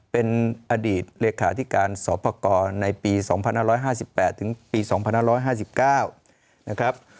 เป็นอดีตเรขาที่การสอบประกอบในปี๒๑๕๘๒๕๙นะครับ